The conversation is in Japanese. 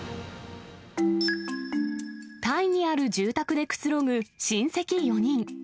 タイにある住宅でくつろぐ親戚４人。